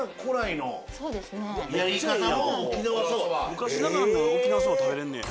昔ながらの沖縄そば食べれんねや。